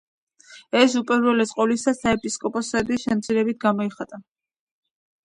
ეს, უპირველეს ყოვლისა, საეპისკოპოსოების შემცირებით გამოიხატა.